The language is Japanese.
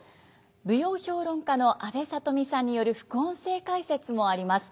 舞踊評論家の阿部さとみさんによる副音声解説もあります。